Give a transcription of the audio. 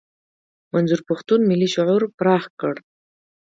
منظور پښتون ملي شعور پراخ کړ.